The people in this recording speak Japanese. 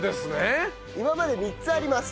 今まで３つあります。